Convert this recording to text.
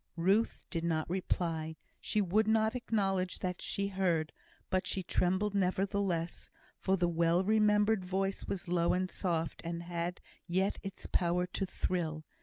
Ruth did not reply. She would not acknowledge that she heard; but she trembled nevertheless, for the well remembered voice was low and soft, and had yet its power to thrill.